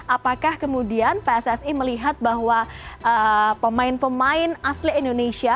apakah kemudian pssi melihat bahwa pemain pemain asli indonesia